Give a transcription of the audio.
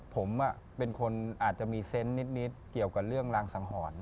ผมเป็นคนอาจจะมีเซนต์นิดเกี่ยวกับเรื่องรางสังหรณ์